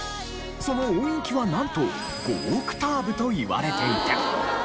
その音域はなんと５オクターブといわれていて。